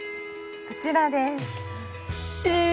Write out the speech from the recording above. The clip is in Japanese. こちらですえ